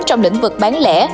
trong lĩnh vực bán lẻ